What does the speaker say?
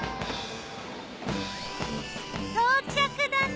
到着だね。